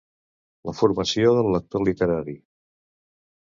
La formació del lector literari.